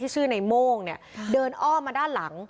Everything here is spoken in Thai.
สวัสดีครับ